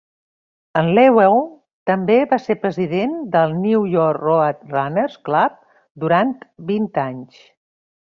En Lebow també va ser president del New York Road Runners Club durant vint anys.